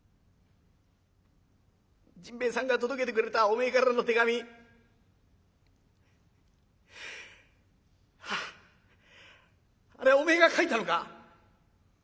甚兵衛さんが届けてくれたおめえからの手紙あれおめえが書いたのか？